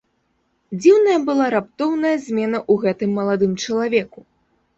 Дзіўная была раптоўная змена ў гэтым маладым чалавеку.